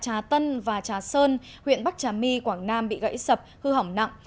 trà tân và trà sơn huyện bắc trà my quảng nam bị gãy sập hư hỏng nặng